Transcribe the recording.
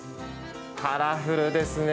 カラフルですね。